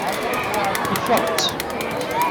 Ifeɣ-tt.